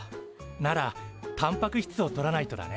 ならたんぱく質をとらないとだね。